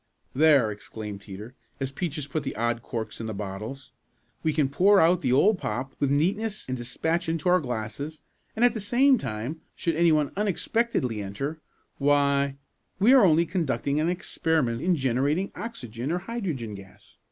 "There!" exclaimed Teeter as Peaches put the odd corks in the bottles. "We can pour out the pop with neatness and dispatch into our glasses and at the same time, should any one unexpectedly enter, why we are only conducting an experiment in generating oxygen or hydrogen gas.